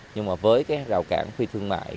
nhưng mà với rào cản phi thương mại